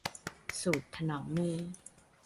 สูตรถนอมมือ